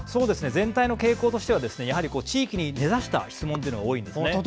全体の傾向としては地域に根ざした質問が多いんですね。